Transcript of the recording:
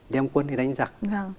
đem quân đi đánh giặc